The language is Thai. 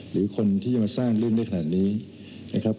หรือคนที่จะมาสร้างเรื่องได้ขนาดนี้นะครับ